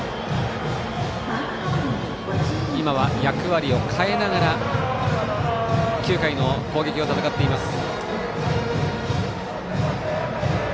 今は役割を変えながら９回の攻撃を戦っています。